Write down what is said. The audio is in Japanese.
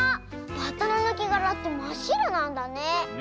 バッタのぬけがらってまっしろなんだね。